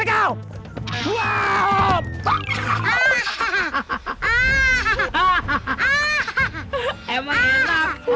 jalan kemana kau